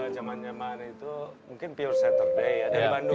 jaman jaman itu mungkin pure saturday ya dari bandung